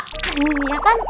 aduh ya kan